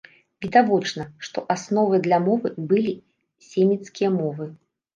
Відавочна, што асновай для мовы былі семіцкія мовы.